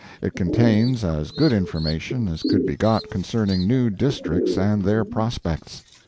It contains as good information as could be got concerning new districts and their prospects.